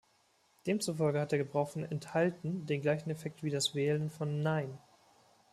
Demzufolge hat der Gebrauch von „enthalten“ den gleichen Effekt wie das Wählen von „nein“.